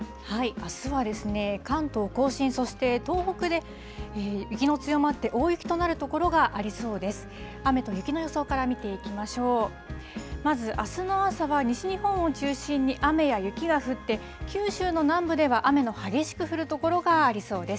あすは、関東甲信、そして東北で雪の強まって、大雪となる所がありそうです。